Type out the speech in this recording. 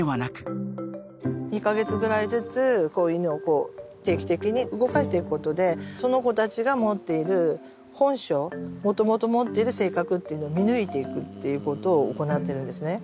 ２カ月ぐらいずつ犬を定期的に動かしていくことでその子たちが持っている本性もともと持っている性格っていうのを見抜いていくっていうことを行ってるんですね。